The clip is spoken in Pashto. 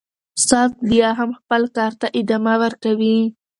ساعت به بیا هم خپل کار ته ادامه ورکوي.